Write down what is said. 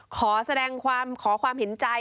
ขอสแดงความเห็นใจ